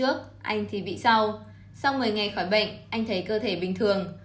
hôm trước anh thì bị sau sau một mươi ngày khỏi bệnh anh thấy cơ thể bình thường